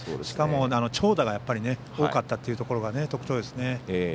しかも長打が多かったというところが特徴ですね。